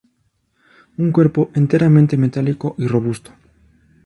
Un cuerpo enteramente metálico y robusto.